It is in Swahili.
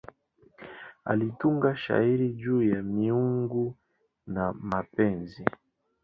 Alitunga shairi juu ya miungu na mapenzi.